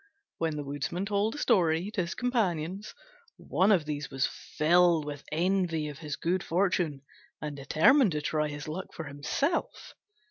When the Woodman told the story to his companions, one of these was filled with envy of his good fortune and determined to try his luck for himself.